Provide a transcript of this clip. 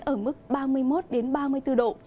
ở mức ba mươi một ba mươi bốn độ